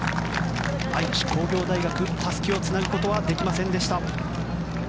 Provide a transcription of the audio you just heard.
愛知工業大学たすきをつなぐことはできませんでした。